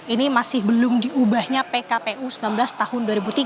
ini masih belum diubahnya pkpu sembilan belas tahun dua ribu tiga